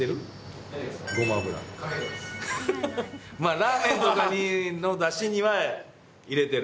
ラーメンとかのだしには入れてる。